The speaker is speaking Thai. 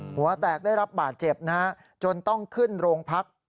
หัวแตกได้รับบาดเจ็บนะฮะจนต้องขึ้นโรงพัก